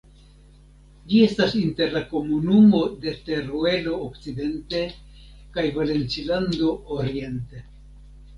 Ĝi estas inter la Komunumo de Teruelo okcidente kaj Valencilando oriente.